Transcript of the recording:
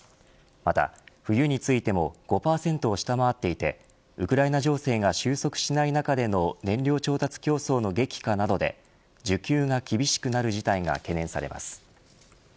また冬についても５％を下回っていてウクライナ情勢が収束しない中での燃料調達競争の激化などで需給が厳しくなる事態が懸念されます。